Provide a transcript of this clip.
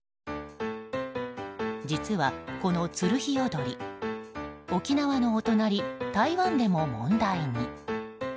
実は、このツルヒヨドリ沖縄のお隣、台湾でも問題に。